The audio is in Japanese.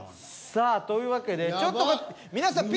さあというわけでちょっと。